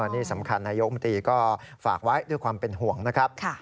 นี่สำคัญนายกมนตรีก็ฝากไว้ด้วยความเป็นห่วงนะครับ